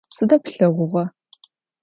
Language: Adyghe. Sıd plheğuğa?